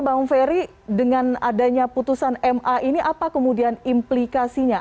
bang ferry dengan adanya putusan ma ini apa kemudian implikasinya